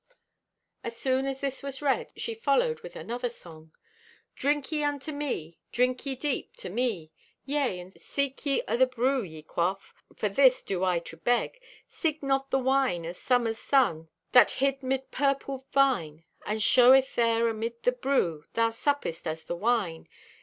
As soon as this was read, she followed with another song: Drink ye unto me. Drink ye deep, to me. Yea, and seek ye o' the Brew ye quaff, For this do I to beg. Seek not the wine o' Summer's sun, That hid 'mid purpled vine, And showeth there amid the Brew Thou suppest as the Wine.